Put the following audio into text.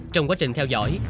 trong quá trình theo dõi